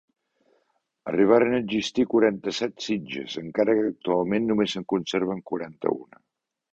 Arribaren a existir quaranta-set sitges, encara que actualment només se'n conserven quaranta-una.